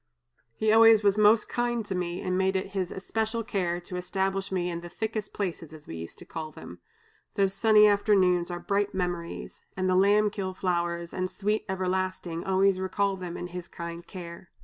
He always was most kind to me and made it his especial care to establish me in the 'thickest places,' as we used to call them. Those sunny afternoons are bright memories, and the lamb kill flowers and sweet 'everlasting,' always recall them and his kind care.